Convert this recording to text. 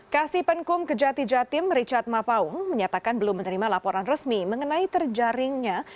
kasih penkum kejati jatim richard mapaung menyatakan belum menerima laporan resmi mengenai terjaringnya